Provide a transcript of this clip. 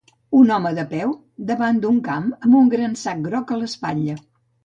Un home de peu davant d'un camp amb un gran sac groc a l'espatlla.